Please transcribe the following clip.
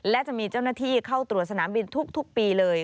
และจะมีเจ้าหน้าที่เข้าตรวจสนามบินทุกปีเลย